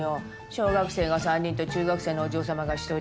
小学生が３人と中学生のお嬢様が１人。